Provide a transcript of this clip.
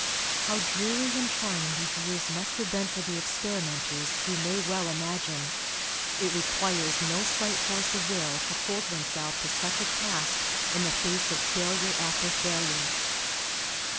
How dreary and trying these years must have been for the experimenters we may well imagine. It requires no slight force of will to hold oneself to such a task in the face of failure after failure.